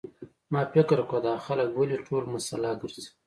ما فکر کاوه دا خلک ولې ټول مسلح ګرځي.